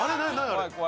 あれ。